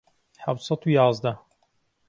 حەوت سەد و یازدە